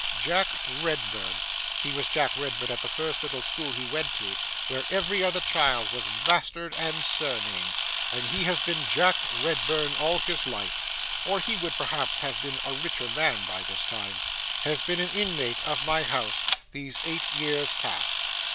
Jack Redburn—he was Jack Redburn at the first little school he went to, where every other child was mastered and surnamed, and he has been Jack Redburn all his life, or he would perhaps have been a richer man by this time—has been an inmate of my house these eight years past.